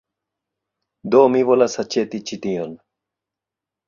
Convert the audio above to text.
Do mi volas aĉeti ĉi tion